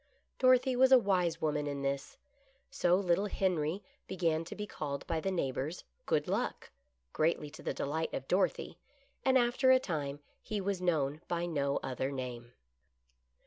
Dorothy was a wise woman in this. So little Henry began to be called by the neighbors " Good Luck," greatly to the delight of Dorothy, and after a time he was known by no other name.